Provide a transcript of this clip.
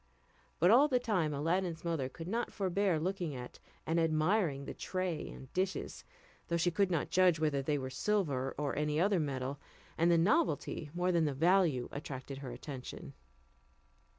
But all the time Aladdin's mother could not forbear looking at and admiring the tray and dishes, though she could not judge whether they were silver or any other metal, and the novelty more than the value attracted her attention.